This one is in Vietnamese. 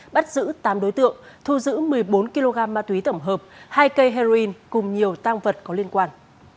bắt giữ tám đối tượng thu giữ một mươi bốn kg ma túy tổng hợp hai cây heroin cùng nhiều tăng vật có liên quan